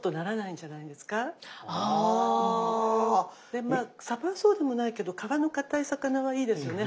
でまあサバはそうでもないけど皮のかたい魚はいいですよね。